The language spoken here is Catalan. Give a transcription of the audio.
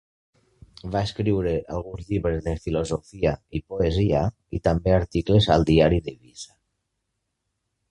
Va escriure alguns llibres de filosofia i poesia i també articles al Diari d'Eivissa.